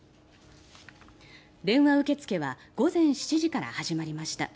電話受け付けは午前７時から始まりました。